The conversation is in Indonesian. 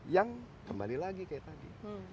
yang kembali lagi kayak tadi